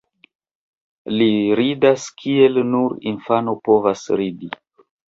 Li ridas kiel nur infano povas ridi.